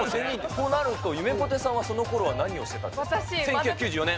となると、ゆめぽてさんはそのころは何をしてたんですか、１９９４年。